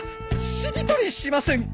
しりとりしませんか？